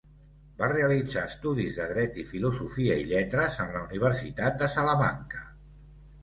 Va realitzar estudis de Dret i Filosofia i Lletres en la Universitat de Salamanca.